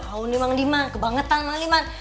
haun di mang diman kebangetan mang diman